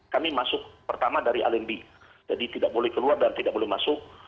kami masuk pertama dari alendi jadi tidak boleh keluar dan tidak boleh masuk